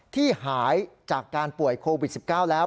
ที่หายจากการป่วยโควิด๑๙แล้ว